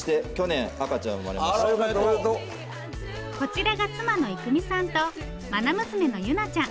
こちらが妻の育美さんとまな娘の幸波ちゃん。